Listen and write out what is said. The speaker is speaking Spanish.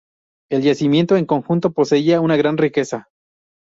El yacimiento, en conjunto, poseía una gran riqueza.